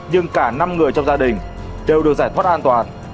nhưng cả năm người trong gia đình đều được giải thoát an toàn